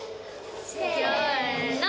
せの。